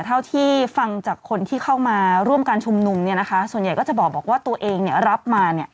เท่าที่ฟังจากคนที่เข้ามาร่วมการชุมนุมส่วนใหญ่ก็จะบอกว่าตัวเองรับมา